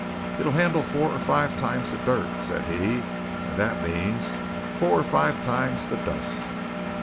"It'll handle four or five times the dirt," said he "and that means four or five times the dust."